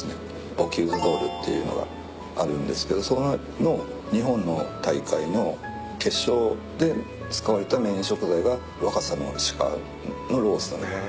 ボキューズ・ドールっていうのがあるんですけどそれの日本の大会の決勝で使われたメイン食材が若桜の鹿のロース。へ。